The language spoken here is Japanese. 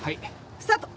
スタート。